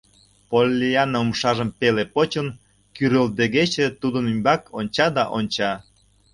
Поллианна умшажым пеле почын, кӱрылтдегеч тудын ӱмбак онча да онча.